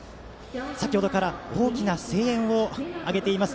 先ほどから大きな声援を上げています。